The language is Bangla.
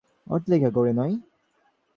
দোষ কাটাইবার জন্য মিছামিছি চেষ্টা করিও না!